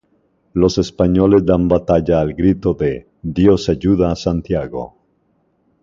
Los españoles dan batalla al grito de "¡Dios ayuda a Santiago!